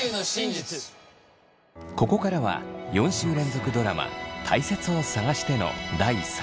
ここからは４週連続ドラマ「たいせつを探して」の第３話。